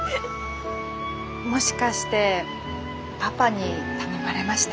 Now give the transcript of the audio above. もしかしてパパに頼まれました？